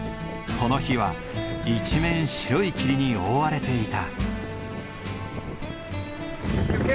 この日は一面白い霧に覆われていた。